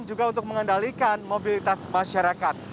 juga untuk mengendalikan mobilitas masyarakat